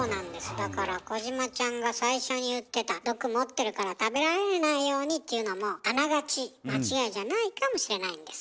だから児嶋ちゃんが最初に言ってた毒持ってるから食べられないようにっていうのもあながち間違いじゃないかもしれないんです。